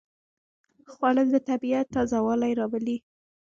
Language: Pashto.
خوړل د طبیعت تازهوالی راولي